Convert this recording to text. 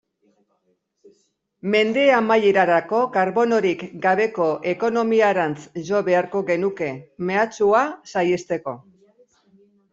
Mende amaierarako karbonorik gabeko ekonomiarantz jo beharko genuke, mehatxua saihesteko.